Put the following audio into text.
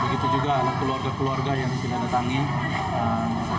begitu juga anak keluarga keluarga yang datang ke sini